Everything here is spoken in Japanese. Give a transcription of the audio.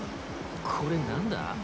これ何だ？